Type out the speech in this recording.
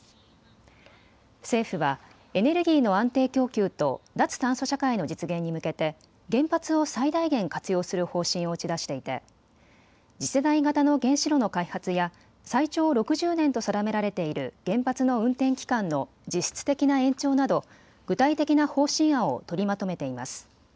政府はエネルギーの安定供給と脱炭素社会の実現に向けて原発を最大限活用する方針を打ち出していて次世代型の原子炉の開発や最長６０年と定められている原発の運転期間の実質的な延長など具体的な方針案を取りまとめています。